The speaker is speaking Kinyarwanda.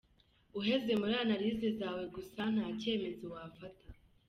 Uheze muri anallyse zawe gusa ntacyemezo wafata.